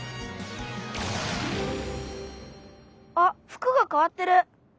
あ服がかわってる。